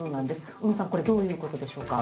小野さん、これどういうことでしょうか？